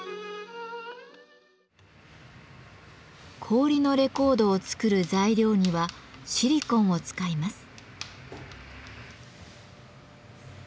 氷のレコードを作る材料にはシリコンを使います。